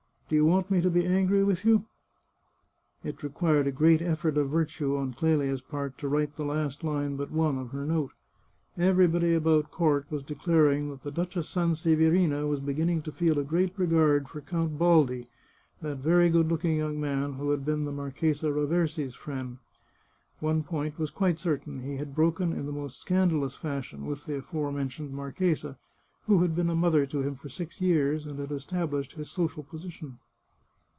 Do you want me to be angry with you ?" It required a great effort of virtue on Clelia's part to write the last line but one of her note. Everybody about court was declaring that the Duchess Sanseverina was begfin ning to feel a great regard for Count Baldi, that very good looking young man who had been the Marchesa Raversi's friend. One point was quite certain — he had broken in the most scandalous fashion with the aforementioned mar chesa, who had been a mother to him for six years, and had established his social position.